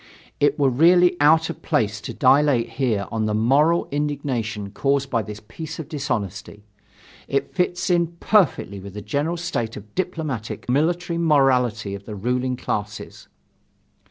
It were really out of place to dilate here on the moral indignation caused by this piece of dishonesty. It fits in perfectly with the general state of diplomatic and military morality of the ruling classes.